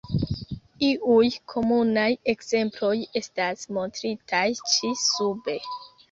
Iuj komunaj ekzemploj estas montritaj ĉi sube.